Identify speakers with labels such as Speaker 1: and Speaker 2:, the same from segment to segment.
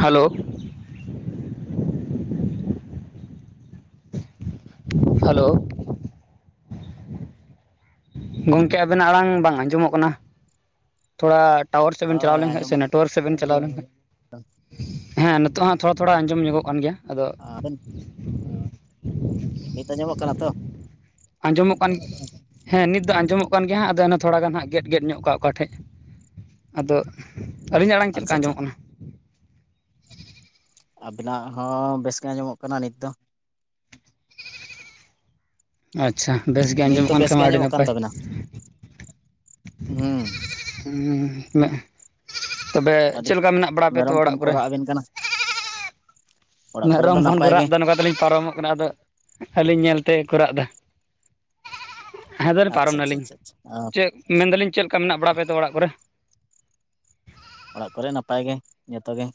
Speaker 1: Hello. Hello ᱜᱚᱝᱠᱮ ᱟᱵᱮᱱᱟᱜ ᱟᱲᱟᱝ ᱵᱟᱝ ᱟᱸᱡᱚᱢᱚᱜ ᱠᱟᱱᱟ ᱛᱷᱚᱲᱟ ᱴᱟᱣᱟᱨ ᱥᱮᱫ ᱵᱮᱱ ᱪᱟᱞᱟᱣ
Speaker 2: ᱦᱳᱭ
Speaker 1: ᱞᱮᱱᱠᱟᱱ ᱥᱮ
Speaker 2: ᱟᱸᱡᱚᱢᱚᱜ
Speaker 1: ᱱᱮᱴ ᱾ ᱴᱳᱨ ᱥᱮᱵᱮᱱ ᱪᱟᱞᱟᱣ ᱞᱮᱱᱠᱷᱟᱱ ᱦᱮᱸ ᱱᱤᱛᱚᱜ ᱦᱚ ᱛᱷᱚᱲᱟ ᱛᱷᱚᱲᱟ ᱟᱸᱡᱚᱢ ᱧᱚᱜᱚᱜ ᱠᱟᱱ ᱜᱮᱭᱟ ᱾ ᱟᱫᱚᱼᱼ
Speaker 2: ᱟᱵᱮᱱ ᱱᱤᱛᱚᱜ ᱧᱟᱢᱚᱜ ᱠᱟᱱᱟ ᱛᱚ?
Speaker 1: ᱟᱸᱡᱚᱢᱚᱜ ᱠᱟᱱ ᱾ ᱦᱮᱸ ᱱᱤᱛ ᱫᱚ ᱟᱸᱡᱚᱢᱚᱜ ᱠᱟᱱ ᱜᱮᱭᱟ ᱦᱟᱸᱜ ᱟᱫᱚ ᱛᱷᱚᱲᱟ ᱜᱟᱱ ᱦᱜ ᱜᱮᱫ ᱜᱮᱫ ᱧᱚᱜ ᱠᱟᱜ-ᱟ ᱚᱠᱟᱴᱷᱮᱡ᱾ ᱟᱫᱚ ᱟᱹᱞᱤᱧᱟᱜ ᱟᱲᱟᱝ ᱪᱮᱫ ᱞᱮᱠᱟ
Speaker 2: ᱟᱪᱪᱷᱟ ᱟᱪᱪᱷᱟ
Speaker 1: ᱟᱸᱡᱚᱢᱚᱜ ᱠᱟᱱᱟ?
Speaker 2: ᱟᱵᱤᱱᱟᱜ ᱦᱚᱸ ᱵᱮᱥ ᱜᱮ ᱟᱸᱡᱚᱢᱚᱜ ᱠᱟᱱᱟ ᱱᱤᱛ ᱫᱚ ᱾
Speaker 1: ᱟᱪᱪᱷᱟ ᱵᱮᱥ ᱜᱮ
Speaker 2: ᱱᱤᱛ
Speaker 1: ᱟᱸᱡᱚᱢ
Speaker 2: ᱫᱚ
Speaker 1: ᱠᱟᱱ
Speaker 2: ᱵᱮᱥ
Speaker 1: ᱠᱷᱟᱱ
Speaker 2: ᱜᱮ
Speaker 1: ᱢᱟ ᱟᱹᱰᱤ
Speaker 2: ᱟᱸᱡᱚᱢᱚᱜ ᱠᱟᱱ
Speaker 1: ᱱᱟᱯᱟᱭ᱾
Speaker 2: ᱛᱟᱵᱮᱱᱟ ᱦᱩᱸ
Speaker 1: ᱩᱢ ᱛᱚᱵᱮ ᱪᱮᱫᱠᱟ ᱢᱮᱱᱟᱜ ᱵᱟᱲᱟ ᱯᱮᱭᱟ ᱛᱚ ᱚᱲᱟᱜ ᱠᱚᱨᱮ?
Speaker 2: ᱮᱱ ᱠᱟᱱᱟ᱾ ᱚᱲᱟᱜ ᱠᱚᱨᱮ
Speaker 1: ᱢᱮᱨᱚᱢ
Speaker 2: ᱫᱚ
Speaker 1: ᱵᱚᱱ ᱠᱚ
Speaker 2: ᱱᱟᱯᱟᱭ
Speaker 1: ᱨᱟᱜ
Speaker 2: ᱜᱮ
Speaker 1: ᱮ ᱱᱚᱝᱠᱟ ᱛᱮᱞᱤᱧ ᱯᱟᱨᱚᱢᱚᱜ ᱠᱟᱱᱟ ᱟᱫᱚ ᱟᱹᱞᱤᱧ ᱧᱮᱞᱛᱮ ᱠᱚ ᱨᱟᱜ ᱫᱟ ᱦᱮᱸ ᱫᱚ
Speaker 2: ᱟᱪᱪᱷᱟ
Speaker 1: ᱯᱟᱨᱚᱢ
Speaker 2: ᱟᱪᱪᱷᱟ
Speaker 1: ᱱᱟᱞᱤᱧ
Speaker 2: ᱟᱪᱪᱷᱟ ᱟᱪᱪᱷᱟ,
Speaker 1: ᱪᱮᱫ ᱢᱮᱱᱫᱟᱞᱤᱧ ᱪᱮᱫ ᱞᱮᱠᱟ ᱢᱮᱱᱟᱜ ᱵᱟᱲᱟ ᱯᱮᱛᱮ ᱚᱲᱟᱜ ᱠᱚᱨᱮ
Speaker 2: ᱚᱲᱟᱜ ᱠᱚᱨᱮ ᱱᱟᱯᱟᱭ ᱜᱮ ᱡᱚᱛᱚ ᱜᱮ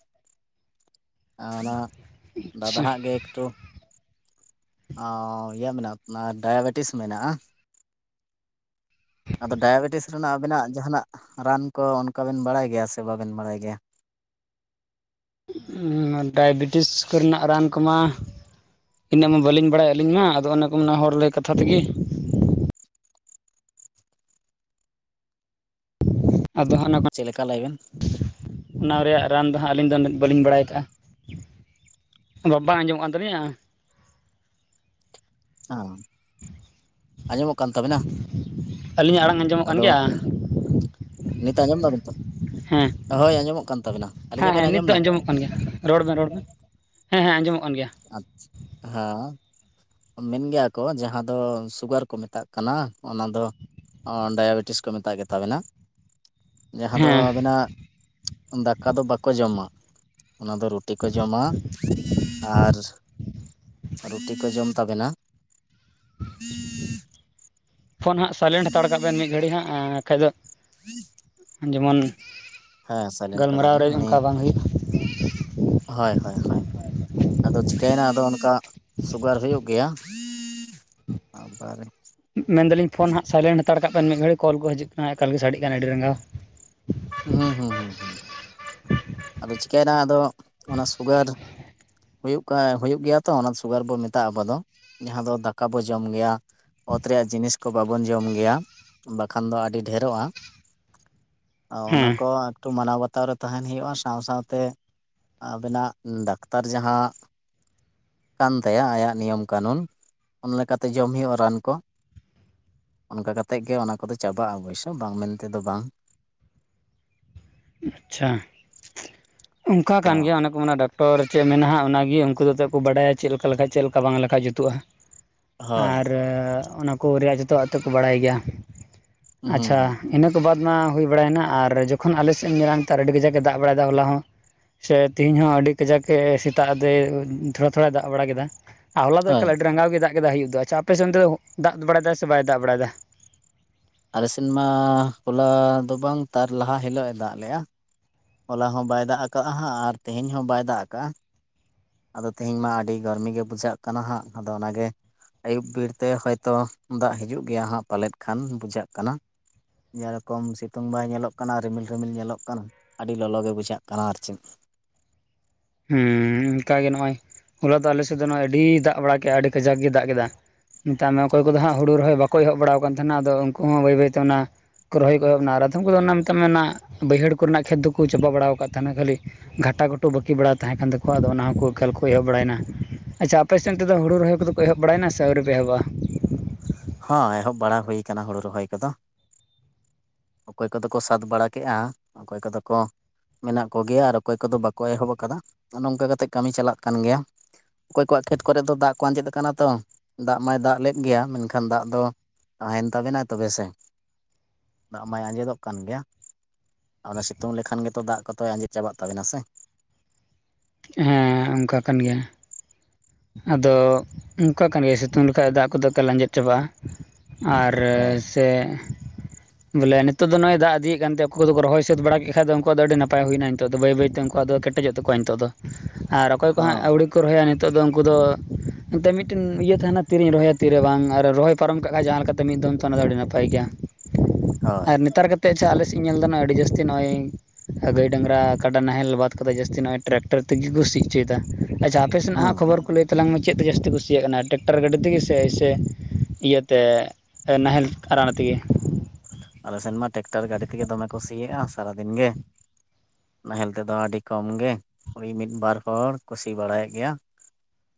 Speaker 2: ᱟ ᱚᱱᱟ ᱫᱟᱫᱟ
Speaker 1: ᱟᱪᱪᱷᱟ
Speaker 2: ᱦᱟᱜ ᱜᱮ ᱛᱚ ᱚ ᱤᱭᱟᱹ ᱢᱮᱱᱟᱜ-ᱟ ᱰᱟᱭᱟᱵᱮᱴᱤᱥ ᱢᱮᱱᱟᱜ-ᱟ᱾ ᱟᱫᱚ ᱰᱟᱭᱟᱵᱮᱴᱤᱥ ᱨᱮᱱᱟᱜ ᱟᱵᱮᱱᱟᱜ ᱡᱟᱦᱟᱸᱱᱟᱜ ᱨᱟᱱ ᱠᱚ ᱚᱱᱠᱟ ᱵᱮᱱ ᱵᱟᱲᱟᱭ ᱜᱮᱭᱟ ᱥᱮ ᱵᱟᱵᱮᱱ ᱵᱟᱲᱟᱭ ᱜᱮᱭᱟ?
Speaker 1: ᱩᱢ ᱰᱟᱭᱵᱮᱴᱤᱥ ᱠᱚᱨᱮᱱᱟᱜ ᱨᱟᱱ ᱠᱚᱢᱟ᱾ ᱤᱱᱟᱹᱜ ᱢᱟ ᱵᱟᱹᱞᱤᱧ ᱵᱟᱲᱟᱭᱟ ᱟᱹᱞᱤᱧ ᱢᱟ ᱟᱫᱚ ᱚᱱᱮᱠᱚᱢᱟ ᱦᱚᱲ ᱞᱟᱹᱭ ᱠᱟᱛᱷᱟ ᱛᱮᱜᱮ ᱟᱫᱚ ᱦᱟᱱᱟ ᱦᱟᱜ
Speaker 2: ᱪᱮᱫ ᱞᱮᱠᱟ ᱞᱟᱹᱭᱵᱮᱱ ᱾
Speaker 1: ᱚᱱᱟ ᱨᱮᱭᱟᱜ ᱨᱟᱱ ᱫᱚ ᱦᱟᱸᱜ ᱟᱹᱞᱤᱧ ᱫᱚ ᱵᱟᱹᱞᱤᱧ ᱵᱟᱲᱟᱭ ᱠᱟᱜ-ᱟ᱾ ᱵᱟ ᱵᱟ ᱟᱸᱡᱚᱢᱚᱜ ᱠᱟᱱ ᱛᱟᱹᱟᱞᱧᱟ
Speaker 2: ᱦᱸ ᱟᱸᱡᱚᱢᱚᱜ ᱠᱟᱱ ᱛᱟᱵᱤᱱᱟ
Speaker 1: ᱟᱹᱞᱤᱧᱟᱜ ᱟᱲᱟᱝ ᱟᱸᱡᱚᱢᱚᱜ ᱠᱟᱱ
Speaker 2: ᱟᱫᱚ
Speaker 1: ᱜᱮᱭᱟ
Speaker 2: ᱱᱤᱛ ᱟᱸᱡᱚᱢ ᱫᱟᱵᱤᱱ ᱛᱚ
Speaker 1: ᱦᱮᱸ
Speaker 2: ᱦᱳᱭ ᱟᱸᱡᱚᱢᱚᱜ ᱠᱟᱱ ᱛᱟᱵᱮᱱᱟ
Speaker 1: ᱦᱮᱸ
Speaker 2: ᱟᱹᱞᱤᱧᱟᱜ
Speaker 1: ᱦᱮᱸ
Speaker 2: ᱵᱮᱱ
Speaker 1: ᱱᱤᱛ ᱫᱚ
Speaker 2: ᱟᱸᱡᱚᱢᱫᱟ
Speaker 1: ᱟᱸᱡᱚᱢᱚᱜ ᱠᱟᱱ ᱜᱮᱭᱟ ᱨᱚᱲ ᱵᱮᱱ ᱨᱚᱲ ᱵᱮᱱ ᱦᱮᱸ ᱦᱮᱸ ᱟᱸᱡᱚᱢᱚᱜ ᱠᱟᱱ ᱜᱮᱭᱟ
Speaker 2: ᱟᱪᱷᱟ ᱦᱮᱸ ᱢᱮᱱ ᱜᱮᱭᱟ ᱠᱚ ᱡᱟᱦᱟᱸ ᱫᱚ ᱥᱩᱜᱟᱨ ᱠᱚ ᱢᱮᱛᱟᱜ ᱠᱟᱱᱟ ᱚᱱᱟ ᱫᱚ ᱚᱸᱰᱮ ᱵᱮᱴᱤᱥ ᱠᱚ ᱢᱮᱛᱟᱜ ᱜᱮᱛᱟᱵᱤᱱᱟ ᱡᱟᱦᱟᱸ ᱫᱚ
Speaker 1: ᱦᱮᱸ
Speaker 2: ᱟᱵᱤᱱᱟᱜ ᱫᱟᱠᱟ ᱫᱚ ᱵᱟᱠᱚ ᱡᱚᱢᱟ ᱚᱱᱟ ᱫᱚ ᱨᱩᱴᱤ ᱠᱚ ᱡᱚᱢᱟ ᱟᱨ ᱨᱩᱴᱤ ᱠᱚ ᱡᱚᱢ ᱛᱟᱵᱮᱱᱟ
Speaker 1: ᱯᱷᱳᱱ ᱦᱟᱸᱜ ᱥᱟᱭᱞᱮᱱᱴ ᱦᱟᱛᱟᱲ ᱠᱟᱜ ᱵᱮᱱ ᱢᱤᱫ ᱜᱷᱟᱹᱲᱤᱡ ᱦᱟᱸᱜ ᱟᱨ ᱵᱟᱠᱷᱟᱡ ᱫᱚ ᱡᱮᱢᱚᱱ
Speaker 2: ᱦᱮᱸ ᱥᱟᱭᱞᱮᱱᱴ
Speaker 1: ᱜᱟᱞᱢᱟᱨᱟᱣ
Speaker 2: ᱠᱟᱫᱟᱞᱤᱧ
Speaker 1: ᱨᱮ
Speaker 2: ᱩᱱᱤ
Speaker 1: ᱚᱱᱠᱟ ᱵᱟᱝ ᱦᱩᱭᱩᱜ
Speaker 2: ᱦᱳᱭ ᱦᱳᱭ ᱦᱳᱭ ᱟᱫᱚ ᱪᱤᱠᱟᱹᱭᱮᱱᱟ ᱟᱫᱚ ᱚᱱᱠᱟ ᱥᱩᱜᱟᱨ ᱦᱩᱭᱩᱜ ᱜᱮᱭᱟ ᱟᱵᱟᱨ
Speaker 1: ᱢᱮᱱᱫᱟᱞᱤᱧ ᱯᱷᱳᱱ ᱦᱟᱸᱜ ᱥᱟᱭᱞᱮᱱ ᱦᱟᱛᱟᱲ ᱠᱟᱜ ᱵᱮᱱ ᱢᱤᱫ ᱜᱷᱟᱹᱲᱤ ᱠᱚᱞ ᱠᱚ ᱦᱤᱡᱩᱜ ᱠᱟᱱᱟ ᱮᱠᱟᱞ ᱜᱮ ᱥᱟᱰᱮᱜ ᱠᱟᱱᱟ ᱟᱹᱰᱤ ᱨᱟᱸᱜᱟᱣ
Speaker 2: ᱦᱩᱸᱦᱮᱸ ᱟᱫᱚ ᱪᱤᱠᱟᱹᱭᱮᱱᱟ ᱟᱫᱚ ᱚᱱᱟ ᱥᱩᱜᱟᱨ ᱦᱩᱭᱩᱜ ᱠᱟ ᱦᱩᱭᱩᱜ ᱜᱮᱭᱟ ᱛᱚ ᱚᱱᱟ ᱫᱚ ᱥᱩᱜᱟᱨ ᱵᱚᱱ ᱢᱮᱛᱟᱜᱼᱟ ᱟᱵᱚ ᱫᱚ ᱡᱟᱦᱟᱸ ᱫᱚ ᱫᱟᱠᱟ ᱵᱚ ᱡᱚᱢ ᱜᱮᱭᱟ ᱚᱛ ᱨᱮᱭᱟᱜ ᱡᱤᱱᱤᱥ ᱠᱚ ᱵᱟᱵᱚᱱ ᱡᱚᱢ ᱜᱮᱭᱟ ᱵᱟᱠᱷᱟᱱ ᱫᱚ ᱟᱹᱰᱤ ᱰᱷᱮᱨᱚᱜᱼᱟ ᱚᱱᱟ
Speaker 1: ᱦᱮᱸ
Speaker 2: ᱠᱚ ᱮᱠᱴᱩ ᱢᱟᱱᱟᱣ ᱵᱟᱛᱟᱣ ᱨᱮ ᱛᱟᱦᱮᱱ ᱦᱩᱭᱩᱜᱼᱟ ᱥᱟ ᱥᱟᱶ ᱥᱟᱶᱛᱮ ᱟᱵᱮᱱᱟᱜ ᱫᱟᱠᱛᱟᱨ ᱡᱟᱦᱟᱸ ᱠᱟᱱ ᱛᱟᱭᱟ ᱟᱭᱟᱜ ᱱᱤᱭᱚᱢ ᱠᱟᱱᱩᱱ ᱚᱱᱟ ᱞᱮᱠᱟᱛᱮ ᱡᱚᱢ ᱦᱩᱭᱩᱜᱼᱟ ᱨᱟᱱ ᱠᱚ ᱚᱱᱠᱟ ᱠᱟᱛᱮᱫ ᱜᱮ ᱚᱱᱟ ᱠᱚᱫᱚ ᱪᱟᱵᱟᱜᱼᱟ ᱚᱵᱚᱥᱥᱳᱭ ᱵᱟᱝ ᱢᱮᱱᱛᱮᱫᱚ ᱵᱟᱝ
Speaker 1: ᱟᱪᱪᱷᱟ ᱚᱱᱠᱟ ᱠᱟᱱ
Speaker 2: ᱚ
Speaker 1: ᱜᱮᱭᱟ ᱚᱱᱮ ᱠᱚ ᱢᱮᱱᱟ ᱰᱟᱠ ᱴᱚᱨ ᱨᱮ ᱪᱮᱫ ᱢᱮᱱᱟᱜᱼᱟ ᱦᱟᱜ ᱚᱱᱟᱜᱮ ᱩᱱᱠᱩ ᱫᱚ ᱮᱛᱮᱫ ᱠᱚ ᱵᱟᱰᱟᱭᱟ ᱪᱮᱫ ᱞᱮᱠᱟ ᱞᱮᱠᱷᱟᱡ ᱪᱮᱫ ᱞᱮᱠᱟ ᱵᱟᱝ ᱞᱮᱠᱷᱟᱡ ᱡᱩᱛᱩᱜᱼᱟ
Speaker 2: ᱦᱳᱭ
Speaker 1: ᱟᱨ ᱚᱱᱟ ᱠᱚ ᱨᱮᱭᱟᱜ ᱡᱚᱛᱚᱣᱟᱜ ᱛᱚ ᱠᱚ ᱵᱟᱲᱟᱭ ᱜᱮᱭᱟ
Speaker 2: ᱦᱩᱸ
Speaker 1: ᱟᱪᱷᱟ
Speaker 2: ᱦᱩᱸ
Speaker 1: ᱤᱱᱟᱹ ᱠᱚ ᱵᱟᱫ ᱢᱟ ᱦᱩᱭ ᱵᱟᱲᱟᱭᱮᱱᱟ ᱟᱨ ᱡᱚᱠᱷᱚᱱ ᱟᱞᱮ ᱥᱮᱫ ᱧᱮᱞᱟᱢᱛᱟᱨ ᱟᱹᱰᱤ ᱠᱟᱡᱟᱠ ᱮ ᱫᱟᱜ ᱵᱟᱲᱟᱭᱮᱫᱟ ᱦᱚᱞᱟ ᱦᱚᱸ ᱥᱮ ᱛᱤᱦᱮᱧ ᱦᱚᱸ ᱟᱹᱰᱤ ᱠᱟᱡᱟᱠ ᱮ ᱥᱮᱛᱟᱜ ᱟᱫᱚᱭ ᱛᱷᱚᱲᱟᱼᱛᱷᱚᱲᱟᱭ ᱫᱟᱜ ᱵᱟᱲᱟ ᱠᱮᱫᱟ ᱟᱨ ᱦᱚᱞᱟ ᱫᱚ
Speaker 2: ᱦᱳᱭ
Speaker 1: ᱮᱠᱟᱞ ᱟᱹᱰᱤ ᱨᱟᱸᱜᱟᱣ ᱜᱮ ᱫᱟᱜ ᱜᱮ ᱫᱟᱭ ᱟᱹᱭᱩᱵ ᱫᱚ ᱟᱪᱷᱟ ᱟᱯᱮᱥᱮᱱᱫᱚ ᱫᱟᱜ ᱵᱟᱲᱟᱭ ᱥᱮ ᱵᱟᱭ ᱫᱟᱜᱲᱮᱫᱟ
Speaker 2: ᱟᱮᱥᱤᱱᱢᱟ ᱦᱚᱞᱟ ᱫᱚ ᱵᱟᱝ ᱛᱟᱨ ᱞᱟᱦᱟ ᱦᱤᱞᱳᱜ ᱮ ᱫᱟᱜ ᱞᱮᱫᱼᱟ ᱦᱚᱞᱟ ᱦᱚᱸ ᱵᱟᱭ ᱫᱟᱜ ᱟᱠᱟᱫᱼᱟ ᱦᱟᱸᱜ ᱟᱨ ᱛᱮᱦᱮᱧ ᱦᱚᱸ ᱵᱟᱭ ᱫᱟᱜ ᱠᱟᱜᱼᱟ ᱟᱫᱚ ᱛᱮᱦᱤᱧ ᱢᱟ ᱟᱹᱰᱤ ᱜᱚᱨᱢᱤ ᱜᱮ ᱵᱩᱡᱷᱟᱹᱜ ᱠᱟᱱᱟ ᱦᱟᱸᱜ ᱟᱫᱚ ᱚᱱᱟᱜᱮ ᱟᱹᱭᱩᱵ ᱵᱮᱲᱛᱮ ᱦᱚᱭᱛᱳ ᱫᱟᱜ ᱦᱤᱡᱩᱜ ᱜᱮᱭᱟ ᱦᱟᱸᱜ ᱯᱟᱞᱮᱫ ᱠᱷᱟᱱ ᱵᱩᱡᱷᱟᱹᱜ ᱠᱟᱱᱟ ᱡᱮᱨᱚᱠᱚᱢ ᱥᱤᱛᱩᱝ ᱵᱟᱭ ᱧᱮᱞᱚᱜ ᱠᱟᱱᱟ ᱨᱤᱢᱤᱞᱼᱨᱤᱢᱤᱞ ᱧᱮᱞᱚᱜ ᱠᱟᱱ ᱟᱹᱰᱤ ᱞᱚᱞᱚ ᱜᱮ ᱵᱩᱡᱷᱟᱹᱜ ᱠᱟᱱᱟ ᱟᱨ ᱪᱮᱫ
Speaker 1: ᱦᱮᱸ ᱚᱱᱠᱟ ᱜᱮ ᱱᱚᱜᱼᱚᱭ ᱦᱚᱞᱟ ᱫᱚ ᱟᱞᱮᱥᱮᱫ ᱫᱚ ᱱᱚᱜᱚᱭ ᱟᱹᱰᱤ ᱫᱟᱜ ᱵᱟᱲᱟ ᱠᱮᱫᱟ ᱟᱹᱰᱤ ᱠᱟᱡᱟᱠ ᱜᱮ ᱫᱟᱜ ᱠᱮᱫᱟ ᱢᱮᱛᱟᱜ ᱢᱮ ᱚᱠᱚᱭ ᱠᱚᱫᱚ ᱦᱟᱸᱜ ᱦᱩᱲᱩ ᱨᱚᱦᱚᱭ ᱵᱟᱠᱚ ᱮᱦᱚᱵ ᱵᱟᱲᱟᱣ ᱠᱟᱱ ᱛᱟᱦᱮᱱᱟ ᱟᱫᱚ ᱩᱱᱠᱩ ᱦᱚᱸ ᱵᱟᱹᱭ ᱵᱟᱹᱭ ᱛᱮ ᱚᱱᱟ ᱨᱚᱦᱚᱭ ᱠᱚᱫᱚ ᱢᱮᱱᱟᱜ ᱟᱫᱷᱚᱢ ᱠᱚᱫᱚ ᱚᱱᱟ ᱢᱮᱱᱟᱜ ᱾ᱚᱱᱟ ᱵᱟᱹᱭᱦᱟᱹᱲ ᱠᱚᱨᱮ ᱠᱷᱮᱛ ᱫᱚᱠᱚ ᱪᱟᱵᱟ ᱵᱟᱲᱟ ᱟᱠᱟᱜ ᱛᱟᱦᱮᱱᱟ ᱠᱷᱟᱹᱞᱤ᱾ ᱜᱷᱟᱴᱟ -ᱜᱷᱩᱴᱩ ᱵᱟᱠᱤ ᱵᱟᱲᱟ ᱛᱟᱦᱮᱸ ᱠᱟᱱ ᱛᱟᱠᱚᱣᱟ ᱾ ᱟᱫᱚ ᱚᱱᱟ ᱦᱚᱸ ᱠᱚ ᱮᱠᱟᱞ ᱠᱚ ᱮᱦᱚᱵ ᱵᱟᱲᱟᱭᱮᱱᱟ᱾ ᱟᱪᱷᱟ, ᱟᱯᱮ ᱥᱮᱱ ᱛᱮᱫ ᱦᱳᱲᱳ ᱨᱚᱦᱚᱭ ᱠᱚ ᱫᱚ ᱮᱦᱚᱵ ᱵᱟᱲᱟᱭᱮᱱᱟ ᱥᱮ ᱟᱹᱣᱨᱤ ᱯᱮ ᱮᱦᱚᱵᱟ᱾
Speaker 2: ᱦᱚᱸ ᱮᱦᱚᱵ ᱵᱟᱲᱟ ᱦᱩᱭ ᱠᱟᱱᱟ ᱦᱩᱲᱩ ᱨᱚᱦᱚᱭ ᱠᱚᱫᱚ ᱚᱠᱚᱭ ᱠᱚᱫᱚ ᱠᱚ ᱥᱟᱫᱽ ᱵᱟᱲᱟ ᱠᱮᱜᱼᱟ ᱚᱠᱚᱭ ᱠᱚᱫᱚ ᱠᱚ ᱢᱮᱱᱟᱜ ᱠᱚ ᱜᱮᱭᱟ ᱟᱨ ᱚᱠᱚᱭ ᱠᱚᱫᱚ ᱵᱟᱠᱚ ᱮᱦᱚᱵ ᱟᱠᱟᱫᱟ ᱚᱱᱮ ᱱᱚᱝᱠᱟ ᱠᱟᱛᱮᱜ ᱠᱟᱹᱢᱤ ᱪᱟᱞᱟᱜ ᱠᱟᱱ ᱜᱮᱭᱟ ᱚᱠᱚᱭ ᱠᱚᱣᱟᱜ ᱠᱷᱮᱛ ᱠᱚᱨᱮ ᱫᱚ ᱫᱟᱜ ᱠᱚ ᱟᱸᱡᱮᱫ ᱟᱠᱟᱱᱟ ᱛᱚ ᱫᱟᱜ ᱢᱟᱭ ᱫᱟᱜ ᱞᱮᱫ ᱜᱮᱭᱟ ᱢᱮᱱᱠᱷᱟᱱ ᱠᱷᱟᱱ ᱫᱟᱜ ᱫᱚ ᱛᱟᱦᱮᱱ ᱛᱟᱵᱮᱱᱟ ᱛᱚᱵᱮ ᱥᱮ ᱫᱟᱜ ᱢᱟᱭ ᱟᱸᱡᱮᱫᱚᱜ ᱠᱟᱱ ᱜᱮᱭᱟᱹ ᱟᱫᱚ ᱥᱤᱛᱩᱝ ᱞᱮᱠᱷᱟᱱ ᱜᱮᱛᱚ ᱫᱟᱜ ᱠᱚᱫᱚᱭ ᱟᱸᱡᱮᱫ ᱪᱟᱵᱟᱜ ᱛᱟᱵᱮᱱᱟ ᱥᱮ
Speaker 1: ᱦᱮᱸ ᱚᱱᱠᱟ ᱠᱟᱱ ᱜᱮᱭᱟᱹ ᱟᱫᱚ ᱚᱱᱠᱟ ᱠᱟᱱ ᱜᱮᱭᱟ ᱥᱤᱛᱩᱝ ᱞᱮᱠᱷᱟᱡ ᱫᱟᱜ ᱠᱚᱫᱚ ᱮᱠᱟᱞ ᱟᱸᱡᱮᱫ ᱪᱟᱵᱟᱜᱼᱟ ᱟᱨ
Speaker 2: ᱦᱳᱭ
Speaker 1: ᱥᱮ ᱵᱚᱞᱮ ᱱᱤᱛᱚᱜ ᱫᱚ ᱱᱚᱜᱼᱚᱭ ᱫᱟᱜ ᱤᱫᱤᱭᱮ ᱠᱟᱱᱛᱮ ᱩᱱᱠᱩ ᱫᱚᱠᱚ ᱨᱚᱦᱚᱭ ᱥᱟᱹᱛ ᱵᱟᱲᱟ ᱠᱮᱫ ᱠᱷᱟᱫᱚ ᱩᱱᱠᱩᱣᱟᱜ ᱟᱹᱰᱤ ᱱᱟᱯᱟᱭ ᱦᱩᱭᱮᱱᱟ ᱱᱤᱛᱚᱜ ᱫᱚ᱾ ᱵᱟᱹᱭ-ᱵᱟᱹᱭᱛᱮ ᱩᱱᱠᱩᱣᱟᱜ ᱫᱚ [inaudible] ᱠᱮᱴᱮᱡᱚᱜ ᱛᱟᱠᱚᱣᱟ ᱱᱤᱛᱚᱜ ᱫᱚ ᱟᱨ ᱚᱠᱚᱭ ᱠᱚ ᱦᱟᱸᱜ
Speaker 2: ᱦᱚᱸ
Speaker 1: ᱟᱹᱣᱨᱤ ᱠᱚ ᱨᱚᱦᱚᱭᱟ, ᱱᱤᱛᱚᱜ ᱫᱚ ᱩᱱᱠᱩ ᱫᱚ ᱱᱚᱛᱮ ᱢᱤᱫᱴᱮᱱ ᱤᱭᱟᱹ ᱛᱟᱦᱮᱱᱟ ᱛᱤᱨᱤᱧ ᱨᱚᱦᱚᱭᱟ ᱛᱤᱨᱮ ᱵᱟᱝ ᱟᱨ ᱨᱚᱦᱚᱭ ᱯᱟᱨᱚᱢ ᱠᱟᱜ ᱠᱷᱟᱱ ᱡᱟᱦᱟᱸ ᱞᱮᱠᱟᱛᱮ ᱢᱤᱫ ᱫᱚᱢ ᱚᱱᱟ ᱫᱚ ᱟᱹᱰᱤ ᱱᱟᱯᱟᱭ ᱜᱮᱭᱟ᱾
Speaker 2: ᱦᱳᱭ
Speaker 1: ᱟᱨ ᱱᱮᱛᱟᱨ ᱠᱟᱛᱮᱫ ᱟᱪᱪᱷᱟ ᱟᱞᱮ ᱥᱮᱫ ᱤᱧ ᱧᱮᱞ ᱫᱟ ᱟᱹᱰᱤ ᱡᱟᱹᱥᱛᱤ ᱱᱚᱜᱼᱚᱭ᱾ ᱜᱟᱹᱭ, ᱰᱟᱝᱨᱟ, ᱠᱟᱰᱟ ᱱᱟᱦᱮᱞ ᱵᱟᱫ ᱠᱟᱛᱮ ᱡᱟᱹᱥᱛᱤ ᱱᱚᱜᱼᱚᱭ ᱴᱨᱟᱠᱴᱚᱨ ᱛᱮᱜᱮ ᱠᱚ ᱥᱤ ᱦᱚᱪᱚᱭᱮᱫᱟ᱾ ᱟᱪᱪᱷᱟ ᱟᱯᱮ ᱥᱮᱱᱟᱜ ᱦᱟᱜ
Speaker 2: ᱦᱩᱸ
Speaker 1: ᱚᱨ [unintelligible] ᱠᱚ ᱞᱟᱹᱭ ᱛᱟᱞᱟᱝ ᱢᱮ, ᱪᱮᱫ ᱛᱮ ᱡᱟᱹᱥᱛᱤ ᱠᱚ ᱥᱤᱭᱮᱫ ᱠᱟᱱᱟ ᱴᱮᱠᱴᱟᱨ ᱜᱟᱹᱰᱤ ᱛᱮᱜᱮ ᱥᱮ, ᱮᱥᱮ ᱤᱭᱟᱹᱛᱮ ᱱᱟᱦᱮᱞ ᱟᱸᱲᱟᱨ ᱛᱮᱜᱮ᱾
Speaker 2: ᱟᱞᱮ ᱥᱮᱱ ᱢᱟ ᱴᱮᱠᱴᱟᱨ ᱜᱟᱹᱰᱤ ᱛᱮᱜᱮ ᱫᱚᱢᱮ ᱠᱚ ᱥᱤᱭᱮᱫᱼᱟ, ᱥᱟᱨᱟᱫᱤᱱ ᱜᱮ ᱱᱟᱦᱮᱞ ᱛᱮᱫᱚ ᱟᱹᱰᱤ ᱠᱚᱢ ᱜᱮ᱾ ᱳᱭ ᱢᱤᱫ ᱵᱟᱨ ᱦᱚᱲ ᱠᱚ ᱥᱤ ᱵᱟᱲᱟᱭᱮᱫ ᱜᱮᱭᱟ᱾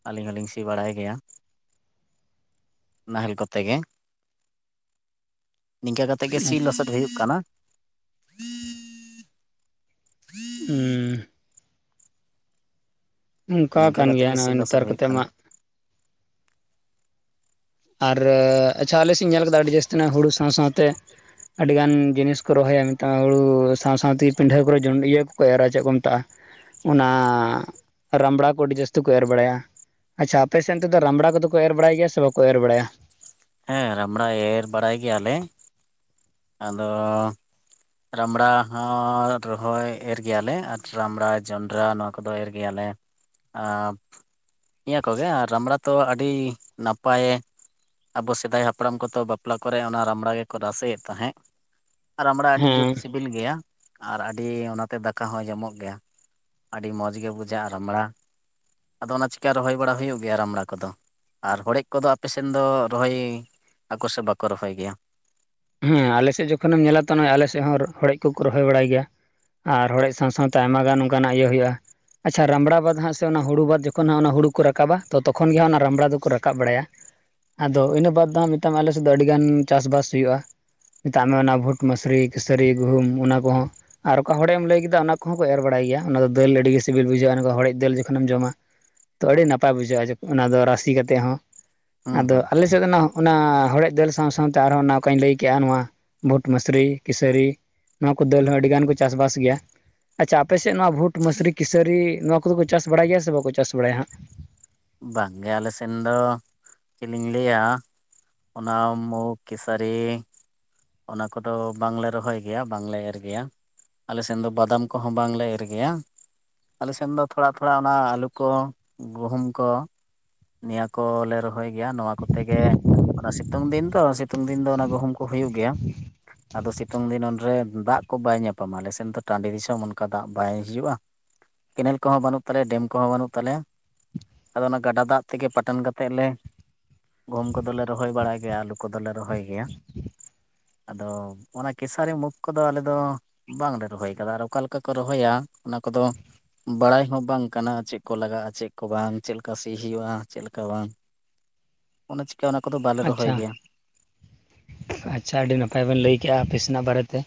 Speaker 2: ᱟᱞᱤᱧ ᱦᱚᱞᱤᱧ ᱥᱤ ᱵᱟᱲᱟᱭ ᱜᱮᱭᱟ᱾ ᱱᱟᱦᱮᱞ ᱠᱚᱛᱮ ᱜᱮ᱾ ᱱᱤᱝᱠᱟᱹ ᱠᱟᱛᱮᱜ ᱜᱮ ᱥᱤ ᱞᱚᱥᱚᱫ ᱦᱩᱭᱩᱜ ᱠᱟᱱᱟ᱾
Speaker 1: ᱦᱩᱸ ᱚᱱᱠᱟ
Speaker 2: ᱱᱤᱝᱠᱟᱹ
Speaker 1: ᱠᱟᱱ
Speaker 2: ᱠᱟᱛᱮᱜ
Speaker 1: ᱜᱮᱭᱟ
Speaker 2: ᱜᱮ ᱥᱤ
Speaker 1: ᱱᱚᱜᱼᱚᱭ
Speaker 2: ᱞᱚᱥᱚᱫ
Speaker 1: ᱱᱮᱛᱟᱨ
Speaker 2: ᱦᱩᱭᱩᱜ
Speaker 1: ᱠᱟᱛᱮ ᱢᱟ᱾
Speaker 2: ᱠᱟᱱᱟ
Speaker 1: ᱟᱨ ᱟᱪᱪᱷᱟ ᱟᱞᱮ ᱥᱮᱫ ᱤᱧ ᱧᱮᱞ ᱠᱟᱫᱟ᱾ ᱟᱹᱰᱤ ᱡᱟᱹᱥᱛᱤ ᱦᱩᱲᱩ ᱥᱟᱶ ᱥᱟᱶᱛᱮ ᱟᱹᱰᱤ ᱜᱟᱱ ᱡᱤᱱᱤᱥ ᱠᱚ ᱨᱚᱦᱚᱭᱟ᱾ ᱢᱤᱫᱫᱷᱟᱣ ᱦᱳᱲᱳ ᱥᱟᱶ-ᱥᱟᱶᱛᱮ ᱯᱤᱱᱰᱟᱹ ᱠᱚᱨᱮ ᱡᱚᱱ ᱤᱭᱟᱹ ᱠᱚᱠᱚ ᱮᱨᱟ ᱪᱮᱫ ᱠᱚ ᱢᱮᱛᱟᱜᱼᱟ᱾ ᱚᱱᱟ ᱨᱟᱢᱲᱟ ᱠᱚ ᱟᱹᱰᱤ ᱡᱟᱹᱥᱛᱤ ᱠᱚ ᱮᱨ ᱵᱟᱲᱟᱭᱟ᱾ ᱟᱪᱪᱷᱟ, ᱟᱯᱮ ᱥᱮᱱ ᱛᱮᱫᱚ ᱨᱟᱢᱲᱟ ᱠᱚᱫᱚ ᱠᱚ ᱮᱨ ᱵᱟᱲᱟᱭ ᱜᱮᱭᱟ ᱥᱮ ᱵᱟᱠᱚ ᱮᱨ ᱵᱟᱲᱟᱭᱟ?
Speaker 2: ᱦᱮᱸ ᱨᱟᱢᱲᱟ ᱮᱨ ᱵᱟᱲᱟᱭ ᱜᱮᱭᱟ ᱞᱮ᱾ ᱟᱫᱚ ᱨᱟᱢᱲᱟ ᱦᱚᱸ ᱨᱚᱦᱚᱭ ᱮᱨ ᱜᱮᱭᱟᱞᱮ, ᱟᱨ ᱨᱟᱢᱲᱟ ᱡᱚᱱᱰᱨᱟ ᱱᱚᱣᱟ ᱠᱚᱫᱚ ᱮᱨ ᱜᱮᱭᱟᱞᱮ᱾ ᱟᱨ ᱱᱤᱭᱟᱹ ᱠᱚᱜᱮ ᱟᱨ ᱨᱟᱢᱲᱟ ᱛᱚ ᱟᱹᱰᱤ ᱱᱟᱯᱟᱭ ᱟᱵᱚ ᱥᱮᱫᱟᱭ ᱦᱟᱯᱲᱟᱢ ᱠᱚᱫᱚ ᱵᱟᱯᱞᱟ ᱠᱚᱨᱮ ᱚᱱᱟ ᱨᱟᱢᱲᱟ ᱜᱮᱠᱚ ᱨᱟᱥᱮ ᱮᱫ ᱛᱟᱦᱮᱸᱫ᱾ ᱨᱟᱢᱲᱟ ᱟᱹᱰᱤ ᱡᱩᱛ
Speaker 1: ᱦᱮᱸ
Speaker 2: ᱥᱤᱵᱤᱞ ᱜᱮᱭᱟ ᱟᱨ ᱟᱹᱰᱤ ᱚᱱᱟᱛᱮ ᱫᱟᱠᱟ ᱦᱚᱸ ᱡᱚᱢᱚᱜ ᱜᱮᱭᱟ᱾ ᱟᱹᱰᱤ ᱢᱚᱡᱽ ᱜᱮ ᱵᱩᱡᱷᱟᱹᱜᱼᱟ ᱨᱟᱢᱲᱟ᱾ ᱟᱫᱚ ᱚᱱᱟ ᱪᱤᱠᱟᱹ ᱨᱚᱦᱚᱭ ᱵᱟᱲᱟ ᱦᱩᱭᱩᱜ ᱜᱮᱭᱟ ᱨᱟᱢᱲᱟ ᱠᱚᱫᱚ᱾ ᱟᱨ ᱦᱚᱲᱮᱜ ᱠᱚᱫᱚ ᱟᱯᱮ ᱥᱮᱱ ᱫᱚ ᱨᱚᱦᱚᱭ ᱟᱠᱚ ᱥᱮ ᱵᱟᱠᱚ ᱨᱚᱦᱚᱭ ᱜᱮᱭᱟ?
Speaker 1: ᱦᱮᱸ, ᱟᱞᱮ ᱥᱮᱫ ᱡᱮᱠᱷᱚᱱᱮᱢ ᱧᱮᱞ ᱟᱛᱚ ᱟᱞᱮ ᱥᱮᱫ ᱦᱚᱸ ᱦᱚᱲᱮᱡ ᱠᱚᱠᱚ ᱨᱚᱦᱚᱭ ᱵᱟᱲᱟᱭ ᱜᱮᱭᱟ᱾ ᱟᱨ ᱨᱚᱦᱚᱭ ᱥᱟᱶ ᱥᱟᱶᱛᱮ ᱟᱭᱢᱟ ᱜᱟᱱ ᱚᱱᱠᱟᱱᱟᱜ ᱤᱭᱟᱹ ᱦᱳᱭᱳᱜᱼᱟ᱾ ᱟᱪᱪᱷᱟ, ᱨᱟᱢᱲᱟ ᱵᱟᱫᱽ ᱦᱟᱸᱜ ᱥᱮ ᱚᱱᱟ ᱦᱩᱲᱩ ᱵᱟᱫᱽ ᱡᱚᱠᱷᱚᱱ ᱦᱟᱸᱜ ᱚᱱᱟ ᱦᱩᱲᱩ ᱠᱚ ᱨᱟᱠᱟᱵ-ᱟ ᱛᱚ ᱛᱚᱠᱷᱚᱱ ᱜᱮ ᱚᱱᱟ ᱦᱟᱸᱜ ᱨᱟᱢᱲᱟ ᱫᱚᱠᱚ ᱨᱟᱠᱟᱵ ᱵᱟᱲᱟᱭᱟ᱾ ᱟᱫᱚ ᱤᱱᱟᱹ ᱵᱟᱫᱽ ᱫᱚ ᱢᱮᱛᱟᱢ ᱟᱞᱮ ᱥᱮᱫ ᱫᱚ ᱟᱹᱰᱤ ᱜᱟᱱ ᱪᱟᱥᱵᱟᱥ ᱦᱩᱭᱩᱜᱼᱟ᱾ ᱢᱮᱛᱟᱜ ᱢᱮ ᱚᱱᱟ ᱵᱷᱩᱴ, ᱢᱟᱥᱨᱤ, ᱠᱟᱹᱥᱟᱹᱨᱤ, ᱜᱩᱦᱩᱢ ᱚᱱᱟ ᱠᱚᱦᱚᱸ᱾ ᱟᱨ ᱚᱠᱟ ᱦᱚᱲᱮᱢ ᱞᱟᱹᱭ ᱠᱮᱫᱟ᱾ ᱚᱱᱟ ᱠᱚᱦᱚᱸ ᱠᱚ ᱮᱨ ᱵᱟᱲᱟᱭ ᱜᱮᱭᱟ᱾ ᱚᱱᱟ ᱫᱚ ᱫᱟᱹᱞ ᱟᱰᱤ ᱜᱮ ᱥᱤᱵᱤᱞ ᱵᱩᱡᱷᱟᱹᱜᱼᱟ, ᱦᱚᱲᱮᱡ ᱫᱟᱹᱞ ᱡᱚᱠᱷᱚᱱᱮᱢ ᱡᱚᱢᱟ᱾ ᱛᱚ ᱟᱹᱰᱤ ᱱᱟᱯᱟᱭ ᱵᱩᱡᱷᱟᱹᱜᱼᱟ ᱚᱱᱟ ᱫᱚ ᱨᱟᱥᱤ ᱠᱟᱛᱮ ᱦᱚᱸ᱾
Speaker 2: ᱦᱩᱸ
Speaker 1: ᱟᱫᱚ
Speaker 2: ᱦᱩᱸ
Speaker 1: ᱟᱞᱮ ᱥᱮᱫ ᱫᱚ, ᱦᱟᱜ ᱱᱟ ᱦᱚᱲᱮᱡ ᱫᱟᱹᱞ ᱥᱟᱶ ᱥᱟᱶᱛᱮ ᱟᱨ ᱦᱚᱸ ᱚᱱᱟ ᱠᱚᱧ ᱞᱟᱹᱭ ᱠᱮᱜᱼᱟ, ᱱᱚᱣᱟ ᱵᱷᱩᱴ, ᱢᱟᱥᱨᱤ, ᱠᱤᱥᱟᱹᱨᱤ ᱱᱚᱣᱟ ᱠᱚ ᱫᱟᱹᱞ ᱦᱚᱸ ᱟᱹᱰᱤ ᱜᱟᱱ ᱠᱚ ᱪᱟᱥᱵᱟᱥ ᱜᱮᱭᱟ᱾ ᱟᱪᱪᱷᱟ, ᱟᱯᱮ ᱥᱮᱱ ᱱᱚᱣᱟ ᱵᱷᱩᱴ, ᱢᱟᱥᱨᱤ, ᱠᱤᱥᱟᱹᱨᱤ ᱱᱚᱣᱟ ᱠᱚᱫᱚ ᱠᱚ ᱪᱟᱥ ᱵᱟᱲᱟᱭ ᱜᱮᱭᱟ ᱥᱮ ᱵᱟᱠᱚ ᱪᱟᱥ ᱵᱟᱲᱟᱭᱟ ᱦᱟᱸᱜ?
Speaker 2: ᱵᱟᱝ ᱜᱮ ᱟᱞᱮ ᱥᱮᱱ ᱫᱚ, ᱪᱮᱫ ᱤᱧ ᱞᱟᱹᱭ-ᱟ᱾ ᱚᱱᱟ ᱢᱩᱜ ᱠᱮᱥᱟᱨᱤ ᱚᱱᱟ ᱠᱚᱫᱚ ᱵᱟᱝᱞᱮ ᱨᱚᱦᱚᱭ ᱜᱮᱭᱟ ᱵᱟᱝᱞᱮ ᱮᱨ ᱜᱮᱭᱟ᱾ ᱟᱞᱮ ᱥᱮᱱ ᱫᱚ ᱵᱟᱫᱟᱢ ᱠᱚᱦᱚᱸ ᱵᱟᱝᱞᱮ ᱮᱨ ᱜᱮᱭᱟ᱾ ᱟᱞᱮ ᱥᱮᱱ ᱫᱚ ᱛᱷᱚᱲᱟ ᱛᱷᱚᱲᱟ ᱚᱱᱟ ᱟᱹᱞᱩ ᱠᱚ, ᱜᱩᱦᱩᱢ ᱠᱚ ᱱᱤᱭᱟᱹ ᱠᱚᱞᱮ ᱨᱚᱦᱚᱭ ᱜᱮᱭᱟ᱾ ᱱᱚᱣᱟ ᱠᱚᱛᱮ ᱜᱮ ᱚᱱᱟ ᱥᱤᱛᱩᱝ ᱫᱤᱱ ᱫᱚ ᱥᱤᱛᱩᱝ ᱫᱤᱱ ᱫᱚ ᱚᱱᱟ ᱜᱩᱦᱩᱢ ᱠᱚ ᱦᱩᱭᱩᱜ ᱜᱮᱭᱟ᱾ ᱟᱫᱚ ᱥᱤᱛᱩᱝ ᱫᱤᱱ ᱚᱨᱮ ᱫᱟᱜ ᱠᱚ ᱵᱟᱭ ᱧᱟᱯᱟᱢᱟ᱾ ᱟᱞᱮ ᱥᱮᱱ ᱫᱚ ᱴᱟᱺᱰᱤ ᱫᱤᱥᱚᱢ, ᱚᱱᱠᱟ ᱫᱟᱜ ᱵᱟᱭ ᱦᱤᱡᱩᱜᱼᱟ᱾ ᱠᱮᱱᱮᱞ ᱠᱚᱦᱚᱸ ᱵᱟᱹᱱᱩᱜ ᱛᱟᱞᱮᱭᱟ ᱾ ᱰᱮᱢ ᱠᱚᱦᱚᱸ ᱵᱟᱹᱱᱩᱜ ᱛᱟᱞᱮᱭᱟ᱾ ᱟᱫᱚ ᱚᱱᱟ ᱜᱟᱰᱟ ᱫᱟᱜ ᱛᱮ ᱜᱮ ᱯᱟᱴᱟᱱ ᱠᱟᱛᱮᱫ ᱞᱮ ᱜᱩᱢ ᱠᱚ ᱫᱚ ᱞᱮ ᱨᱚᱦᱚᱭ ᱵᱟᱲᱟᱭ ᱜᱮᱭᱟ᱾ ᱟᱹᱞᱩ ᱠᱚ ᱫᱚ ᱞᱮ ᱨᱚᱦᱚᱭ ᱜᱮᱭᱟ᱾ ᱟᱫᱚ ᱚᱱᱟ ᱠᱮᱥᱟᱨᱤ, ᱢᱩᱠᱷ ᱠᱚᱫᱚ ᱟᱞᱮ ᱫᱚ᱾ ᱵᱟᱝᱞᱮ ᱨᱚᱦᱚᱭ ᱠᱟᱫᱟ ᱟᱨ ᱚᱠᱟᱞᱮᱠᱟ ᱠᱚ ᱨᱚᱦᱚᱭᱟ ᱚᱱᱟ ᱠᱚᱫᱚ ᱵᱟᱲᱟᱭ ᱦᱚᱸ ᱵᱟᱝ ᱠᱟᱱᱟ ᱪᱮᱜ ᱠᱚ ᱞᱟᱜᱟᱜᱼᱟ ᱪᱮᱜ ᱠᱚ ᱵᱟᱝ ᱪᱮᱜ ᱞᱮᱠᱟ ᱥᱤ ᱦᱩᱭᱩᱜᱼᱟ ᱪᱮᱜ ᱞᱮᱠᱟ ᱵᱟᱝ? ᱚᱱᱟ ᱪᱤᱠᱟ ᱚᱱᱟ ᱠᱚᱫᱚ ᱵᱟᱞᱮ ᱨᱚᱦᱚᱭ
Speaker 1: ᱟᱪᱪᱷᱟ
Speaker 2: ᱜᱮᱭᱟ᱾
Speaker 1: ᱟᱪᱪᱷᱟ ᱟᱹᱰᱤ ᱱᱟᱯᱟᱭ ᱵᱮᱱ ᱞᱟᱹᱭ ᱠᱮᱜᱼᱟ ᱟᱯᱤᱥᱮᱱᱟᱜ ᱵᱟᱨᱮᱛᱮ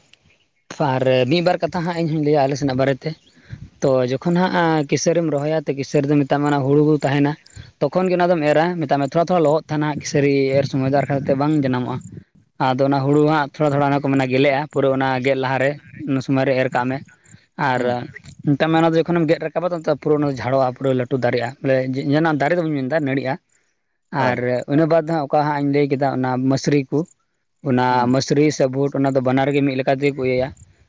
Speaker 1: ᱟᱨ ᱢᱤᱫᱵᱟᱨ ᱠᱟᱛᱷᱟ ᱦᱟᱸᱜ ᱤᱧᱦᱚᱧ ᱞᱟᱹᱭᱟ ᱟᱞᱮ ᱥᱮᱱᱟᱜ ᱵᱟᱨᱮᱛᱮ ᱛᱚ ᱡᱚᱠᱷᱚᱱ ᱦᱟᱸᱜ ᱠᱤᱥᱬᱮᱢ ᱮᱢ ᱨᱚᱦᱚᱭᱟ ᱛᱚ ᱠᱤᱥᱟᱹᱬ ᱨᱮ ᱫᱚ ᱢᱮᱛᱟᱢᱟ ᱦᱩᱲᱩ ᱠᱚ ᱛᱟᱦᱮᱱᱟ᱾ ᱛᱚᱠᱷᱚᱱ ᱜᱮ ᱚᱱᱟ ᱫᱚᱢ ᱮᱨᱟ ᱢᱮᱛᱟᱜ ᱢᱮ ᱛᱷᱚᱲᱟ ᱛᱷᱚᱲᱟ ᱞᱚᱦᱚᱫ ᱛᱟᱦᱮᱱᱟ ᱠᱤᱥᱟᱹᱨᱤ ᱮᱨ ᱥᱚᱢᱚᱭ ᱫᱚ ᱟᱨᱠᱷᱛᱮ ᱵᱟᱝ ᱡᱟᱱᱟᱢᱚᱜᱼᱟ᱾ ᱟᱫᱚ ᱚᱱᱟ ᱦᱩᱲᱩ ᱦᱟᱸᱜ ᱛᱷᱚᱲᱟ ᱛᱷᱚᱲᱟ ᱚᱱᱟ ᱠᱚ ᱢᱮᱱᱟ ᱜᱮᱞᱮᱜᱼᱟ᱾ ᱯᱩᱨᱟᱹ ᱚᱱᱟ ᱜᱮᱫ ᱞᱟᱦᱟᱨᱮ ᱩᱱ ᱥᱚᱢᱚᱭ ᱨᱮ ᱮᱨ ᱠᱟᱜ ᱢᱮ ᱟᱨ
Speaker 2: ᱦᱩᱸ
Speaker 1: ᱢᱮᱛᱟᱜ ᱚᱱᱟ ᱫᱚ ᱡᱚᱠᱷᱚᱱᱮᱢ ᱜᱮᱫ ᱨᱟᱠᱟᱵᱟ ᱛᱚ ᱯᱩᱨᱟᱹ ᱚᱱᱟ ᱡᱷᱟᱲᱚᱜᱼᱟ ᱯᱩᱨᱟᱹ ᱞᱟᱹᱴᱩ ᱫᱟᱨᱮᱜᱼᱟ ᱵᱚᱞᱮ ᱡᱮᱱᱟ ᱫᱟᱨᱮ ᱫᱚ ᱵᱟᱹᱧ ᱢᱮᱱᱫᱟ ᱱᱟᱹᱲᱤᱼᱟ᱾
Speaker 2: ᱻ [inaudible]
Speaker 1: ᱟᱨ ᱤᱱᱟᱹ ᱵᱟᱫᱽ ᱦᱟᱜ ᱚᱠᱟ ᱦᱟᱸᱜ ᱤᱧ ᱞᱟᱹᱭ ᱠᱮᱫᱟ ᱚᱱᱟ ᱢᱟᱹᱥᱨᱤ ᱠᱚ ᱚᱱᱟ
Speaker 2: ᱦᱩᱸ
Speaker 1: ᱢᱟᱥᱨᱤ ᱥᱮ ᱵᱷᱩᱴ ᱚᱱᱟ ᱫᱚ ᱵᱟᱱᱟᱨᱜᱮ ᱢᱤᱜ ᱞᱮᱠᱟ ᱛᱮᱜᱮ ᱠᱚ ᱤᱭᱟᱹᱭᱟ